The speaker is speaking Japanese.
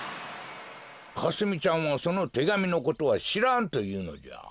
かすみちゃんはそのてがみのことはしらんというのじゃ。